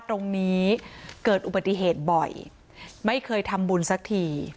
ตรงนี้เกิดอุบัติเหตุบ่อยไม่เคยทำบุญสักที